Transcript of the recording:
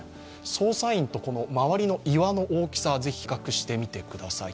捜査員と周りの岩の大きさ、ぜひ比較してみてください。